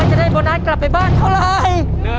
จะได้โบนัสกลับไปบ้านเท่าไร